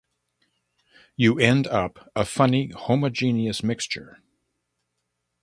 You end up a funny homogeneous mixture.